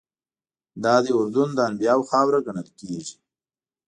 دادی اردن د انبیاوو خاوره ګڼل کېږي.